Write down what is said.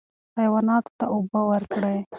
حیواناتو ته اوبه ورکړئ.